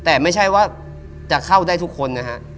แต่ไม่ใช่ว่าจะเข้าได้ทุกคนนะฮะ